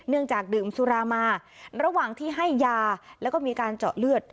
จากดื่มสุรามาระหว่างที่ให้ยาแล้วก็มีการเจาะเลือด